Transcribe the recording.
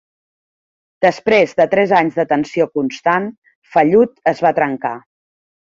Després de tres anys de tensió constant, Fallout es va trencar.